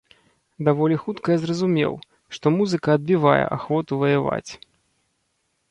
Даволі хутка я зразумеў, што музыка адбівае ахвоту ваяваць.